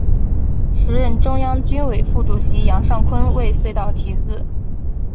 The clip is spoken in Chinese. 时任中央军委副主席杨尚昆为隧道题字。